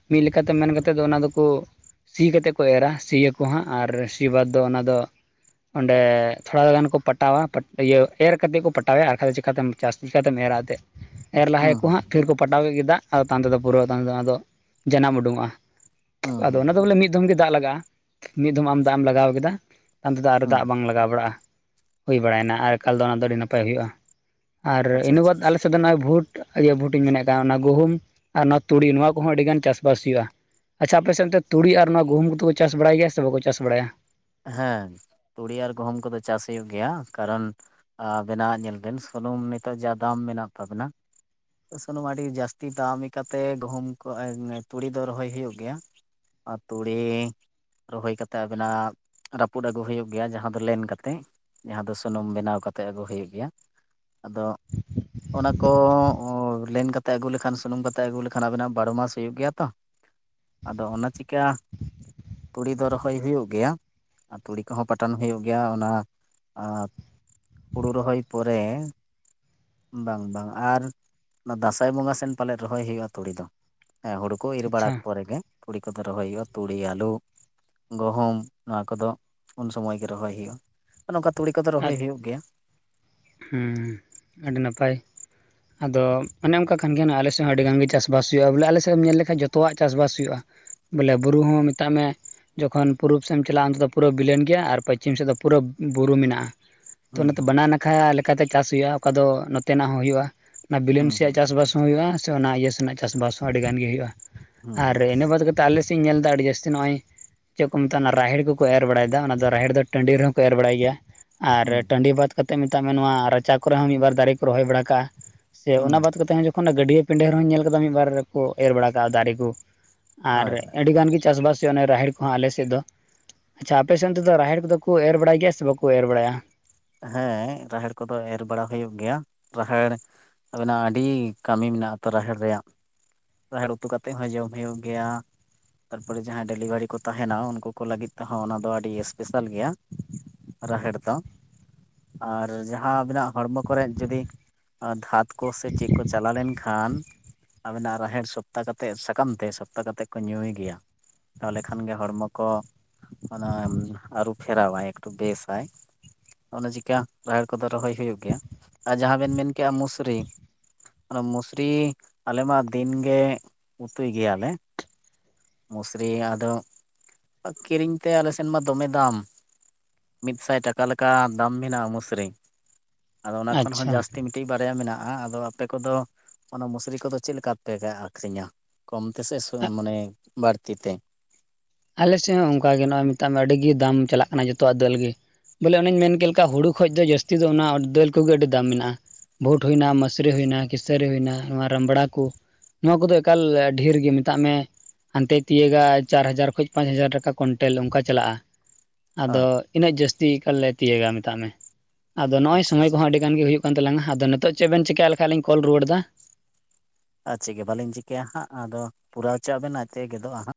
Speaker 1: ᱢᱤᱜ ᱞᱮᱠᱟᱛᱮ ᱢᱮᱱ ᱠᱟᱛᱮᱫ ᱫᱚ ᱚᱱᱟ ᱫᱚᱠᱚ ᱥᱤ ᱠᱟᱛᱮᱫ ᱠᱚ ᱮᱨᱟ ᱥᱤᱭᱟᱠᱚ ᱦᱟᱸᱜ ᱟᱨ ᱥᱤ ᱵᱟᱫᱽ ᱫᱚ ᱚᱱᱟ ᱫᱚ, ᱚᱸᱰᱮ ᱛᱷᱚᱲᱟ ᱜᱟᱱ ᱠᱚ ᱯᱟᱴᱟᱣᱟ ᱤᱭᱟᱹ ᱮᱨ ᱠᱟᱛᱮᱫ ᱠᱚ ᱯᱟᱴᱟᱣᱮᱭᱟ ᱟᱨ ᱠᱷᱟᱡ ᱫᱚ ᱪᱮᱠᱟᱛᱮᱢ ᱪᱟᱥ ᱪᱤᱠᱟᱛᱮᱢ ᱮᱨᱟ ᱮᱛᱮᱜ ᱮᱨ ᱞᱟᱦᱟ
Speaker 2: ᱦᱩᱸ
Speaker 1: ᱭᱟᱠᱚ ᱦᱟᱸᱜ ᱯᱷᱤᱨ ᱠᱚ ᱯᱟᱴᱟᱣ ᱠᱮᱫ ᱜᱮᱼᱟ ᱟᱫᱚ ᱛᱟᱭᱚᱢᱛᱮᱫᱚ ᱯᱩᱨᱟᱹᱫᱚ ᱡᱟᱱᱟᱢ ᱩᱰᱩᱠᱚᱜᱼᱟ
Speaker 2: ᱦᱩᱸ
Speaker 1: ᱟᱫᱚ
Speaker 2: ᱦᱩᱸ
Speaker 1: ᱚᱱᱟ ᱫᱚ
Speaker 2: ᱦᱩᱸ
Speaker 1: ᱵᱚᱞᱮ ᱢᱤᱫ ᱫᱚᱢ ᱜᱮ ᱫᱟᱜ ᱞᱟᱜᱟᱜᱼᱟ ᱢᱤᱫ ᱫᱚᱢ ᱟᱢ ᱫᱟᱜ ᱮᱢ ᱞᱟᱜᱟᱣ ᱠᱮᱫᱟ ᱛᱟᱭᱚᱢ ᱛᱮᱫᱚ ᱟᱨ
Speaker 2: ᱦᱩᱸ
Speaker 1: ᱫᱟᱜ ᱵᱟᱝ ᱞᱟᱜᱟᱣ ᱵᱟᱲᱟᱜᱼᱟ᱾ ᱦᱩᱭ ᱵᱟᱲᱟᱭᱮᱱᱟ ᱟᱨ ᱮᱠᱟᱞ ᱫᱚ ᱚᱱᱟ ᱫᱚ ᱟᱹᱰᱤ ᱱᱟᱯᱟᱭ ᱦᱩᱭᱩᱜᱼᱟ ᱟᱨ
Speaker 2: ᱟᱪᱪᱷᱟ
Speaker 1: ᱤᱱᱟᱹ
Speaker 2: ᱟᱪᱪᱷᱟ
Speaker 1: ᱵᱟᱫ ᱟᱞᱮᱥᱮᱫ ᱫᱚ ᱱᱚᱜᱼᱚᱭ ᱵᱷᱩᱴ ᱤᱭᱟᱹ ᱵᱷᱩᱴᱤᱧ ᱢᱮᱱᱮᱫ ᱠᱟᱱ ᱚᱱᱟ ᱜᱩᱦᱩᱢ ᱟᱨ ᱱᱚᱣᱟ ᱛᱩᱲᱤ ᱱᱚᱣᱟ ᱠᱚᱦᱚᱸ ᱟᱹᱰᱤ ᱜᱟᱱ ᱪᱟᱥᱵᱟᱥ ᱦᱩᱭᱩᱜᱼᱟ᱾ ᱟᱪᱪᱷᱟ ᱟᱯᱮ ᱥᱮᱱ ᱛᱮ ᱛᱩᱲᱤ ᱟᱨ ᱱᱚᱣᱟ ᱜᱩᱦᱩᱢ ᱫᱚᱠᱚ ᱪᱟᱥ ᱵᱟᱲᱟᱭ ᱜᱮᱭᱟ ᱥᱮ ᱵᱟᱠᱚ ᱪᱟᱥ ᱵᱟᱲᱟᱭᱟ?
Speaker 2: ᱦᱮᱸ ᱛᱩᱲᱤ ᱟᱨ ᱜᱩᱦᱩᱢ ᱠᱚᱫᱚ ᱪᱟᱥ ᱦᱩᱭᱩᱜ ᱜᱮᱭᱟ, ᱠᱟᱨᱚᱱ ᱵᱮᱱᱟᱣᱟᱜ ᱧᱮᱞ ᱵᱮᱱ ᱥᱩᱱᱩᱢ ᱱᱤᱛᱚᱜ ᱡᱟ ᱫᱟᱢ ᱢᱮᱱᱟᱜ ᱛᱟᱵᱮᱱᱟ᱾ ᱥᱩᱱᱩᱢ ᱟᱹᱰᱤ ᱡᱟᱹᱥᱛᱤ ᱫᱟᱢᱛᱮ ᱜᱩᱦᱩᱢ ᱠᱚ ᱛᱩᱲᱤ ᱫᱚ ᱨᱚᱦᱚᱭ ᱦᱩᱭᱩᱜ ᱜᱮᱭᱟ᱾ ᱟᱨ ᱛᱩᱲᱤ ᱨᱚᱦᱚᱭ ᱠᱟᱛᱮᱫ ᱟᱵᱤᱱᱟᱜ ᱨᱟᱹᱯᱩᱫ ᱟᱹᱜᱩ ᱦᱩᱭᱩᱜ ᱜᱮᱭᱟ ᱡᱟᱦᱟᱸ ᱫᱚ ᱞᱮᱱ ᱠᱟᱛᱮᱫ ᱡᱟᱦᱟᱸ ᱫᱚ ᱥᱩᱱᱩᱢ ᱵᱮᱱᱟᱣ ᱠᱟᱛᱮ ᱟᱹᱜᱩ ᱦᱩᱭᱩᱜ ᱜᱮᱭᱟ᱾ ᱟᱫᱚ ᱚᱱᱟ ᱠᱚ ᱞᱮᱱ ᱠᱟᱛᱮᱜ ᱟᱹᱜᱩ ᱞᱮᱠᱷᱟᱱ ᱥᱩᱱᱩᱢ ᱠᱟᱛᱮᱜ ᱟᱹᱜᱩ ᱞᱮᱠᱷᱟᱱ ᱟᱵᱮᱱᱟᱜ ᱵᱟᱨᱚ ᱢᱟᱥ ᱦᱩᱭᱩᱜ ᱜᱮᱭᱟ ᱛᱚ? ᱟᱫᱚ ᱚᱱᱟ ᱪᱤᱠᱟᱹ ᱛᱩᱲᱤ ᱫᱚ ᱨᱚᱦᱚᱭ ᱦᱩᱭᱩᱜ ᱜᱮᱭᱟ᱾ ᱟᱨ ᱛᱩᱲᱤ ᱠᱚᱦᱚᱸ ᱯᱟᱴᱚᱱ ᱦᱩᱭᱩᱜ ᱜᱮᱭᱟ ᱚᱱᱟ ᱦᱩᱲᱩ ᱨᱚᱦᱚᱭ ᱯᱚᱨᱮ᱾ ᱵᱟᱝ ᱵᱟᱝ ᱟᱨ ᱫᱟᱸᱥᱟᱭ ᱵᱚᱸᱜᱟ ᱥᱮᱱ ᱯᱟᱞᱮᱫ ᱨᱚᱦᱚᱭ ᱦᱩᱭᱩᱜᱼᱟ ᱛᱩᱲᱤ ᱫᱚ᱾ ᱦᱮᱸ ᱦᱩᱲᱩ ᱠᱚ ᱤᱨ ᱵᱟᱲᱟ
Speaker 1: ᱟᱪᱪᱷᱟ
Speaker 2: ᱯᱚᱨᱮ ᱜᱮ ᱛᱩᱲᱤ ᱠᱚᱫᱚ ᱨᱚᱦᱚᱭ ᱦᱩᱭᱩᱜᱼᱟ᱾ ᱛᱩᱲᱤ, ᱟᱹᱞᱩ, ᱜᱩᱦᱩᱢ ᱱᱚᱣᱟ ᱠᱚᱫᱚ ᱩᱱ ᱥᱚᱢᱚᱭ ᱜᱮ ᱨᱚᱦᱚᱭ ᱦᱩᱭᱩᱜᱼᱟ ᱟᱨ ᱱᱚᱝᱠᱟ ᱛᱩᱲᱤ ᱠᱚᱫᱚ ᱨᱚᱦᱚᱭ ᱦᱩᱭᱩᱜ ᱜᱮᱭᱟ᱾
Speaker 1: ᱦᱚᱸ ᱟᱹᱰᱤ ᱱᱟᱯᱟᱭ ᱟᱫᱚ ᱚᱱᱮ ᱚᱱᱠᱟ ᱠᱟᱱ ᱜᱮᱭᱟ ᱟᱞᱮ ᱥᱮᱫ ᱦᱚᱸ ᱟᱹᱰᱤ ᱜᱟᱱᱜ ᱜᱮ ᱪᱟᱥᱵᱟᱥ ᱦᱩᱭᱩᱜᱼᱟ ᱵᱚᱞᱮ ᱟᱞᱮ ᱥᱮᱫ ᱮᱢ ᱧᱮᱞ ᱞᱮᱠᱷᱟᱱ ᱡᱚᱛᱚᱣᱟᱜ ᱪᱟᱥᱵᱟᱥ ᱦᱩᱭᱩᱜᱼᱟ᱾ ᱵᱚᱞᱮ ᱵᱩᱨᱩ ᱦᱚᱸ ᱢᱮᱛᱟᱜ ᱢᱮ ᱡᱚᱠᱷᱚᱱ ᱯᱩᱨᱩᱵ ᱥᱮᱫ ᱮᱢ ᱪᱟᱞᱟᱜᱼᱟ ᱚᱱᱛᱮ ᱫᱚ ᱯᱩᱨᱟᱹ ᱵᱤᱞᱟᱹ ᱜᱮᱭᱟ ᱟᱨ ᱯᱚᱥᱪᱤᱢ ᱥᱮᱫ ᱫᱚ ᱯᱩᱨᱟᱹ ᱵᱩᱨᱩ ᱢᱮᱱᱟᱜᱼᱟ᱾ ᱛᱚ
Speaker 2: ᱦᱩᱸ
Speaker 1: ᱚᱱᱟ ᱛᱮ
Speaker 2: ᱦᱩᱸ
Speaker 1: ᱵᱟᱱᱟ ᱱᱟᱠᱷᱟ ᱞᱮᱠᱟᱛᱮ ᱪᱟᱥ ᱦᱩᱭᱩᱜᱼᱟ ᱚᱠᱟ ᱫᱚ ᱱᱚᱛᱮᱱᱟᱜ ᱦᱚᱸ ᱦᱩᱭᱩᱜᱼᱟ ᱚᱱᱟ ᱵᱤᱞᱟᱹᱱ
Speaker 2: ᱦᱩᱸ
Speaker 1: ᱥᱮᱭᱟᱜ
Speaker 2: ᱦᱩᱸ
Speaker 1: ᱪᱟᱥᱵᱟᱥ ᱦᱩᱭᱩᱜ-ᱟ ᱥᱮ ᱚᱱᱟ ᱤᱭᱟᱹ ᱥᱮᱱᱟᱜ ᱪᱟᱥᱵᱟᱥ ᱦᱚᱸ ᱟᱹᱰᱤ ᱜᱟᱱ ᱜᱮ ᱦᱩᱭᱩᱜ-ᱟ
Speaker 2: ᱦᱩᱸ
Speaker 1: ᱟᱨ ᱤᱱᱟᱹ ᱵᱟᱫ ᱠᱟᱛᱮ ᱛᱚ ᱟᱞᱮ ᱥᱮᱫ ᱤᱧ ᱧᱮᱞ ᱮᱫᱟ ᱟᱹᱰᱤ ᱡᱟᱹᱥᱛᱤ ᱱᱚᱜ-ᱚᱭ ᱪᱮᱜ ᱠᱚ ᱢᱮᱛᱟᱜᱼᱟ ᱨᱟᱦᱤᱲ ᱠᱚᱠᱚ ᱮᱨ ᱵᱟᱲᱟᱭᱫᱟ ᱚᱱᱟ ᱫᱚ ᱨᱟᱦᱤᱲ ᱫᱚ ᱴᱟᱺᱰᱤ ᱨᱮᱦᱚᱸ ᱠᱚ ᱮᱨ ᱵᱟᱲᱟᱭ ᱜᱮᱭᱟ᱾ ᱟᱨ
Speaker 2: ᱦᱩᱸ ᱦᱩᱸ
Speaker 1: ᱴᱟᱺᱰᱤ ᱵᱟᱫ ᱠᱟᱛᱮᱫ ᱢᱮᱛᱟᱜ ᱢᱮ ᱱᱚᱣᱟ ᱨᱟᱪᱟ ᱠᱚᱨᱮ ᱦᱚᱸ ᱢᱤᱫᱵᱟᱨ ᱫᱟᱨᱮ ᱠᱚ ᱨᱚᱦᱚᱭ ᱵᱟᱲᱟ ᱠᱟᱜᱼᱟ᱾ ᱥᱮ
Speaker 2: ᱦᱩᱸ
Speaker 1: ᱚᱱᱟ ᱵᱟᱫ ᱠᱟᱛᱮ ᱦᱚᱸ ᱡᱚᱠᱷᱚᱱ ᱜᱟᱹᱰᱭᱟᱹ ᱯᱤᱸᱰᱟᱹ ᱨᱮᱦᱚᱸ ᱧᱮᱞ ᱠᱟᱫᱟ ᱢᱤᱫᱵᱟᱨ ᱠᱚ ᱮᱨ ᱵᱟᱲᱟ ᱠᱟᱜᱼᱟ ᱫᱟᱨᱮ ᱠᱚ᱾ ᱟᱨ
Speaker 2: ᱦᱳᱭ
Speaker 1: ᱟᱹᱰᱤ ᱜᱟᱱ ᱜᱮ ᱪᱟᱥᱵᱟᱥ ᱦᱩᱭᱩᱜᱼᱟ ᱨᱟᱦᱮᱲ ᱟᱞᱮ ᱥᱮᱫ ᱫᱚ᱾ ᱟᱪᱪᱷᱟ ᱟᱯᱮ ᱥᱮᱱ ᱛᱮᱫᱚ ᱨᱟᱦᱮᱲ ᱠᱚᱫᱚ ᱠᱚ ᱮᱨ ᱵᱟᱲᱟᱭ ᱜᱮᱭᱟ ᱥᱮ ᱵᱟᱠᱚ ᱮᱨ ᱵᱟᱲᱟᱭᱟ?
Speaker 2: ᱦᱮᱸ ᱨᱟᱦᱮᱲ ᱠᱚᱫᱚ ᱮᱨ ᱵᱟᱲᱟ ᱦᱩᱭᱩᱜ ᱜᱮᱭᱟ ᱨᱟᱦᱮᱲ ᱟᱵᱮᱱᱟᱜ ᱟᱹᱰᱤ ᱠᱟᱹᱢᱤ ᱢᱮᱱᱟᱜᱼᱟ ᱛᱚ, ᱨᱟᱦᱮᱲ ᱨᱮᱭᱟᱜ᱾ ᱨᱟᱦᱮᱲ ᱩᱛᱩ ᱠᱟᱛᱮ ᱦᱚᱸ ᱡᱚᱢ ᱦᱩᱭᱩᱜ ᱜᱮᱭᱟ᱾ ᱛᱟᱨᱯᱚᱨᱮ ᱡᱟᱦᱟᱸᱭ ᱰᱮᱞᱤᱵᱷᱟᱨᱤ ᱠᱚ ᱛᱟᱦᱮᱱᱟ ᱩᱱᱠᱩ ᱠᱚ ᱞᱟᱹᱜᱤᱫ ᱛᱮᱦᱚᱸ ᱚᱱᱟ ᱫᱚ ᱟᱹᱰᱤ ᱥᱯᱮᱥᱟᱞ ᱜᱮᱭᱟ᱾ ᱨᱟᱦᱮᱲ ᱫᱚ ᱟᱨ ᱡᱟᱦᱟᱸ ᱟᱹᱵᱤᱱᱟᱜ ᱦᱚᱲᱢᱚ ᱠᱚᱨᱮᱫ ᱡᱩᱫᱤ ᱟᱨ ᱫᱷᱟᱛ ᱠᱚ ᱥᱮ ᱪᱮᱫ ᱠᱚ ᱪᱟᱞᱟᱣ ᱞᱮᱱ ᱠᱷᱟᱱ ᱟᱵᱮᱱᱟᱜ ᱨᱟᱦᱮᱲ ᱥᱚᱯᱛᱟ ᱠᱟᱛᱮᱫ ᱥᱟᱠᱟᱢ ᱛᱮ ᱥᱚᱯᱛᱟ ᱠᱟᱛᱮ ᱠᱚ ᱧᱩᱭ ᱜᱮᱭᱟ ᱾ ᱛᱟᱦᱚᱞᱮ ᱠᱷᱟᱱ ᱜᱮ ᱦᱚᱲᱢᱚ ᱠᱚ ᱚᱱᱟ ᱟᱹᱨᱩ ᱯᱷᱮᱨᱟᱣᱟᱭ ᱮᱠᱴᱩ ᱵᱮᱥᱟᱭ ᱾ ᱚᱱᱟ ᱪᱤᱠᱟ ᱨᱟᱦᱮᱲ ᱠᱚᱫᱚ ᱨᱚᱦᱚᱭ ᱦᱩᱭᱩᱜ ᱜᱮᱭᱟ ᱟᱨ ᱡᱟᱦᱟᱸ ᱵᱮᱱ ᱢᱮᱱ ᱠᱮᱜ-ᱟ ᱢᱩᱥᱨᱤ ᱚᱱᱟ ᱢᱚᱥᱨᱤ ᱟᱞᱮ ᱢᱟ ᱫᱤᱱ ᱜᱮ ᱩᱛᱩᱭ ᱜᱮᱭᱟ ᱞᱮ ᱾ ᱢᱩᱥᱨᱤ ᱟᱫᱚ ᱠᱤᱨᱤᱧ ᱛᱮ ᱟᱞᱮ ᱥᱮᱱ ᱢᱟ ᱫᱚᱢᱮ ᱫᱟᱢ ᱾ ᱢᱤᱫᱥᱟᱭ ᱴᱟᱠᱟ ᱞᱮᱠᱟ ᱫᱟᱢ ᱢᱮᱱᱟᱜᱼᱟ ᱩᱢᱩᱥᱨ ᱟᱫᱚ ᱚᱱᱟ ᱠᱷᱚᱱ ᱦᱚᱸ
Speaker 1: ᱟᱪᱪᱷᱟ
Speaker 2: ᱡᱟᱹᱥᱛᱤ ᱠᱟᱹᱴᱤᱡ ᱵᱟᱨᱭᱟ ᱢᱮᱱᱟᱜ-ᱟ ᱟᱫᱚ ᱟᱯᱮ ᱠᱚᱫᱚ ᱚᱱᱟ ᱢᱩᱥᱨᱤ ᱠᱚᱫᱚ ᱪᱮᱫ ᱞᱮᱠᱟ ᱯᱮ ᱟᱹᱠᱷᱨᱤᱧᱟ ᱠᱚᱢ ᱛᱮᱥᱮ ᱢᱟᱱᱮ ᱵᱟᱹᱲᱛᱤ ᱛᱮ?
Speaker 1: ᱟᱞᱮ ᱥᱮᱫ ᱦᱚᱸ ᱚᱱᱠᱟ ᱜᱮ ᱱᱚᱜ-ᱚᱭ ᱢᱮᱛᱟᱜ ᱢᱮ ᱟᱹᱰᱤ ᱜᱮ ᱫᱟᱢ ᱪᱟᱞᱟᱜ ᱠᱟᱱᱟ ᱡᱚᱛᱚᱣᱟᱜ ᱫᱟᱹᱞ ᱜᱮ ᱾ ᱵᱚᱞᱮ ᱚᱱᱮᱧ ᱢᱮᱱ ᱠᱮᱫ ᱞᱮᱠᱟ ᱦᱩᱲᱩ ᱠᱷᱚᱡ ᱫᱚ ᱡᱟᱹᱥᱛᱤ ᱫᱚ ᱚᱱᱟ ᱫᱟᱹᱞ ᱠᱚᱜᱮ ᱟᱹᱰᱤ ᱫᱟᱢ ᱢᱮᱱᱟᱜ-ᱟ ᱾ ᱵᱷᱳᱴ ᱦᱩᱭᱱᱟ ᱢᱟᱥᱨᱮ ᱦᱩᱭᱱᱟ ᱠᱤᱥᱟᱹᱨᱤ ᱦᱩᱭᱱᱟ ᱱᱚᱣᱟ ᱨᱟᱢᱲᱟ ᱠᱚ ᱱᱚᱣᱟ ᱠᱚᱫᱚ ᱮᱠᱟᱞ ᱰᱷᱮᱨ ᱜᱮ ᱢᱮᱛᱟᱜ ᱢᱮ ᱦᱟᱱᱛᱮ ᱛᱤᱭᱟᱹᱜᱟ ᱪᱟᱨ ᱦᱟᱡᱟᱨ ᱯᱟᱸᱪ ᱦᱟᱡᱟᱨ ᱴᱟᱠᱟ ᱠᱩᱭᱤᱱᱴᱮᱞ ᱚᱱᱠᱟ ᱪᱟᱞᱟᱜ-ᱟ
Speaker 2: ᱚ
Speaker 1: ᱟᱫᱚ ᱤᱱᱟᱹᱜ ᱡᱟᱹᱥᱛᱤᱠᱟᱞ ᱞᱮ ᱛᱤᱭᱜᱟ ᱢᱮᱛᱟᱜ ᱢᱮ ᱟᱫᱚ ᱱᱚᱜ ᱚᱭ
Speaker 2: ᱟᱪᱪᱷᱟ
Speaker 1: ᱥᱚᱢᱚᱭ
Speaker 2: ᱟᱪᱪᱷᱟ,
Speaker 1: ᱠᱚᱦᱚᱸ ᱟᱹᱰᱤ ᱜᱟᱱ ᱜᱮ ᱦᱩᱭᱩᱜ ᱠᱟᱱ ᱛᱟᱞᱟᱝ ᱟᱫᱚ ᱱᱤᱛᱚᱜ ᱪᱮᱫ ᱵᱮᱱ ᱪᱮᱠᱟ ᱞᱮᱠᱷᱟᱱ ᱞᱤᱧ ᱠᱚᱞ ᱨᱩᱣᱟᱹᱲ ᱫᱟ
Speaker 2: ᱟᱨ ᱪᱤ ᱜᱮ ᱵᱟᱝ ᱞᱤᱧ ᱪᱤᱠᱟᱹᱭᱟ ᱦᱟᱸᱜ ᱟᱫᱚ ᱯᱩᱨᱟᱣ ᱦᱚᱪᱚ ᱟᱵᱮᱱ ᱟᱡᱛᱮ ᱜᱮᱫᱚᱜ-ᱟ ᱦᱟᱸᱜ